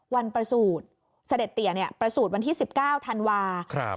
วันประสูจน์เสด็จเตียเนี่ยประสูจน์วันที่๑๙ธันวา๒๔๒๓